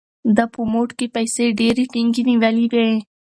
ده په موټ کې پیسې ډېرې ټینګې نیولې وې.